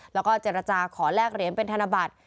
แล้วก็เจรจาขอแลกเหรียญเป็นธนบัตร